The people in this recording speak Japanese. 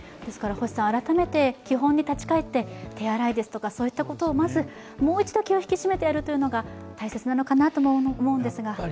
改めて基本に立ち返って手洗いですとかそういったことをもう一度気を引き締めてやるというのが大切かなと思うんですが。